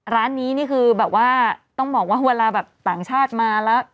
ร้านนี้คือต้องบอกว่าหัวลาแบบต่างชาติมาแล้ว